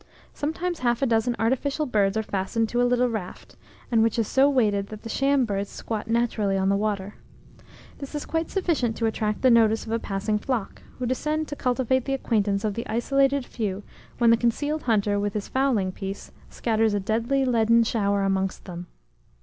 Sometimes half a dozen artificial birds are fastened to a little raft, and which is so weighted that the sham birds squat naturally on the water. This is quite sufficient to attract the notice of a passing flock, who descend to cultivate the acquaintance of the isolated few when the concealed hunter, with his fowling piece, scatters a deadly leaden shower amongst them.